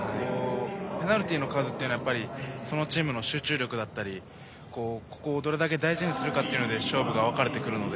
ペナルティーの数はそのチームの集中力だったりここをどれだけ大事にするかで勝負が分かれてくるので。